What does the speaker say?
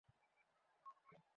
তুমি আমার মেসেজ কেন পড়েছ, বানি!